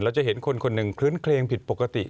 แล้วจะเห็นคนคนดึงเคลือนเคลงผิดปกติ